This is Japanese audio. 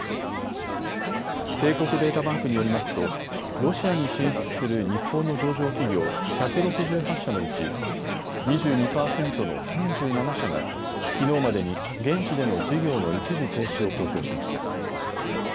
帝国データバンクによりますとロシアに進出する日本の上場企業１６８社のうち２２％の３７社がきのうまでに現地での事業の一時停止を公表しました。